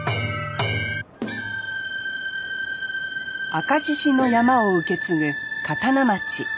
赤獅子の曳山を受け継ぐ刀町。